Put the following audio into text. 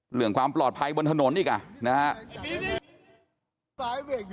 เหลืองความปลอดภัยบนถนนอีกอ่ะนะฮะ